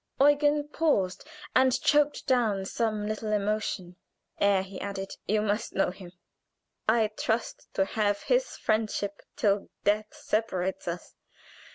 Eugen paused, and choked down some little emotion ere he added: "You must know him. I trust to have his friendship till death separates us.